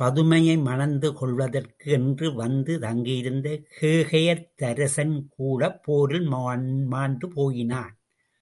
பதுமையை மணந்து கொள்வதற்கு என்று வந்து தங்கியிருந்த கேகயத்தரசன்கூடப் போரில் மாண்டு போயினான்.